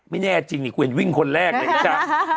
ไม่แน่จริงนี่กูเห็นวิ่งคนแรกเลยจ๊ะ